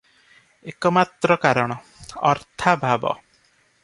ଏକମାତ୍ର କାରଣ - ଅର୍ଥାଭାବ ।